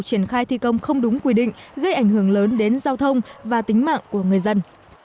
triển khai thi công không đúng quy định gây ảnh hưởng lớn đến giao thông và tính mạng của người dân